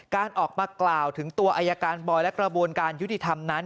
การออกมากล่าวถึงตัวอายการบอยและกระบวนการยุติธรรมนั้น